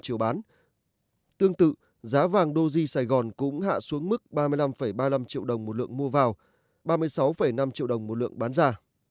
tương tự giá vàng doji sài gòn cũng hạ xuống mức ba mươi năm ba mươi năm triệu đồng một lượng mua vào ba mươi sáu năm triệu đồng một lượng bán ra